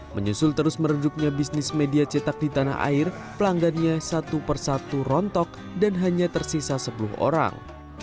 menyusul terus meredupnya bisnis media cetak di tanah air pelanggannya satu persatu rontok dan hanya tersisa sepuluh orang